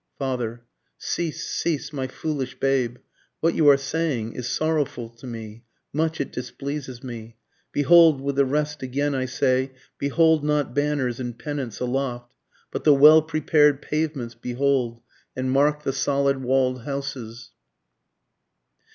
Father. Cease, cease, my foolish babe, What you are saying is sorrowful to me, much it displeases me; Behold with the rest again I say, behold not banners and pennants aloft, But the well prepared pavements behold, and mark the solid wall'd houses.